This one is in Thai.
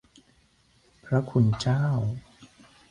พระคุณเจ้า